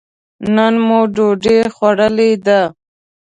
نن مو ډوډۍ خوړلې ده.